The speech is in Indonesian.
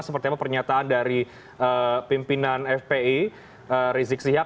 seperti apa pernyataan dari pimpinan fpi rizik sihab